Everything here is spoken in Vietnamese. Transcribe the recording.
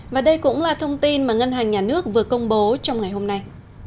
và đây cũng là thông tin mà ngân hàng nhà nước vừa công bố trong ngày hôm nay